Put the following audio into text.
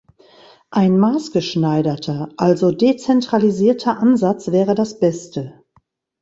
Ein maßgeschneiderter also dezentralisierter Ansatz wäre das Beste.